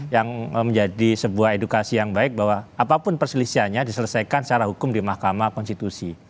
yang menjadi sebuah edukasi yang baik bahwa apapun perselisihannya diselesaikan secara hukum di mahkamah konstitusi